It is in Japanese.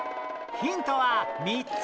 ヒントは３つ！